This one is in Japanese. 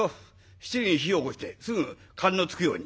七輪に火をおこしてすぐ燗のつくように。